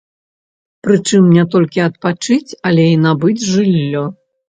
Прычым не толькі адпачыць, але і набыць жыллё.